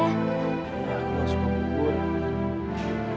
kan ada ayamnya